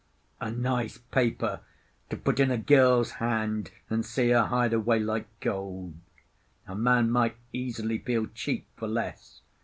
A nice paper to put in a girl's hand and see her hide away like gold. A man might easily feel cheap for less.